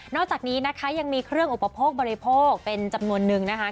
อกจากนี้นะคะยังมีเครื่องอุปโภคบริโภคเป็นจำนวนนึงนะคะ